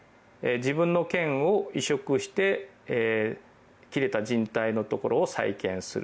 自分の腱を移植して切れたじん帯のところを再建する。